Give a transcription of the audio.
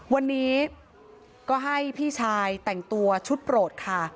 วันนี้ก็ให้พี่ชายแต่งตัวชุดโปรดค่ะ